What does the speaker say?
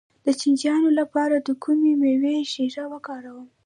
د چینجیانو لپاره د کومې میوې شیره وکاروم؟